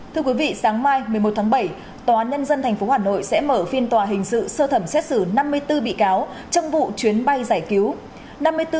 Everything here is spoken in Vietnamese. thưa quý vị sáng mai một mươi một tháng bảy tòa nhân dân tp hà nội sẽ mở phiên tòa hình sự sơ thẩm xét xử năm mươi bốn bị cáo trong vụ chuyến bay giải cứu